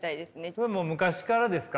それは昔からですか？